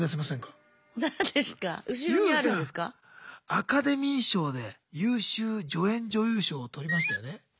アカデミー賞で優秀助演女優賞をとりましたよね？